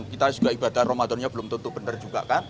kita juga ibadah ramadannya belum tentu benar juga kan